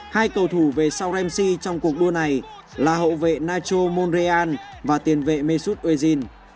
hai cầu thủ về sau ramsey trong cuộc đua này là hậu vệ nacho monreal và tiền vệ mesut ozil